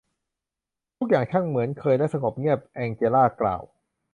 ทุกอย่างช่างเหมือนเคยและสงบเงียบ แองเจลากล่าว